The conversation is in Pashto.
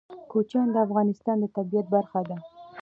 کوچیان د افغانستان د طبیعت برخه ده.